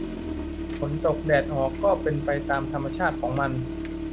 ฝนตกแดดออกก็เป็นไปตามธรรมชาติของมัน